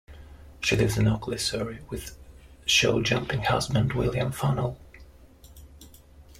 She lives in Ockley, Surrey with show jumping husband William Funnell.